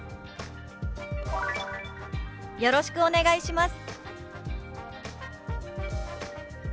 「よろしくお願いします」。